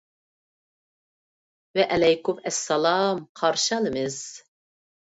ۋەئەلەيكۇم ئەسسالام، قارشى ئالىمىز.